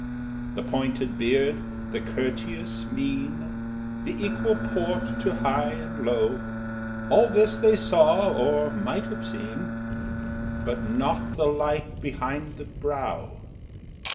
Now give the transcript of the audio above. The pointed beard, the courteous mien, The equal port to high and low, All this they saw or might have seen But not the light behind the brow!